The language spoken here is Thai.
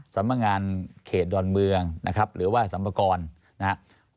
สำนักงานเขตดอนเมืองนะครับหรือว่าสรรพากรนะครับ